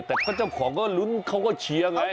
แต่ก็เจ้าของก็ลุ้นเขาก็เชียร์ไง